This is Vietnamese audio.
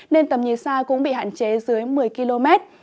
nên tầm nhìn xa cũng bị hạn chế dưới một mươi km